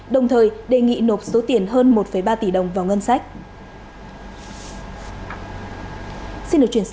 đồng thời đề nghị nộp số tiền hơn một ba tỷ đồng vào ngân sách